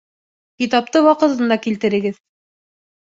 Китапты ваҡытында килтерегеҙ